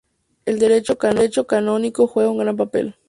El derecho canónico juega un gran papel.